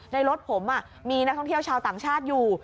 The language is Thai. รถผมมีนักท่องเที่ยวชาวต่างชาติอยู่